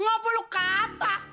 ngapu lu kata